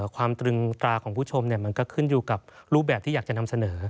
ความตรึงตราของผู้ชมมันก็ขึ้นอยู่กับรูปแบบที่อยากจะนำเสนอ